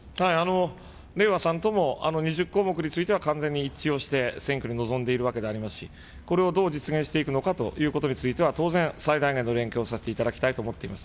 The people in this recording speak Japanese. れいわさんとも、２０項目については完全に一致をして、選挙に臨んでいるわけでありますし、これをどう実現していくのかということについては当然、最大限の連携をさせていただきたいと思っています。